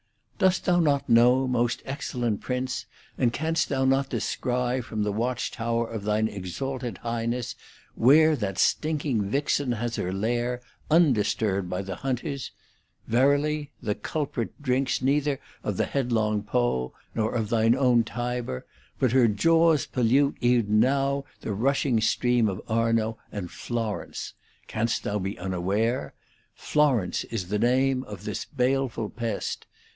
§ 7. Dost thou not know, most excellent Prince, and canst thou not descry from the watch tower of thine exalted Highness l where that stinking vixen has her lair, undisturbed by the hunters ? Verily the culprit drinks . neither of headlong Po, nor of thine own Tiber, but her jaws pollute e'en now the rushing stream of Arno, and Florence— canst thou be unaware r^ Florence is the name of this baleful pest.